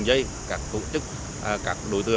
điện lúc ba giờ